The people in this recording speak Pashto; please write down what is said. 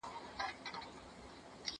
زه به د ليکلو تمرين کړی وي!؟